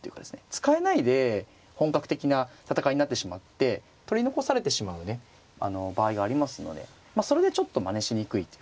使えないで本格的な戦いになってしまって取り残されてしまうね場合がありますのでそれでちょっとまねしにくいっていうかね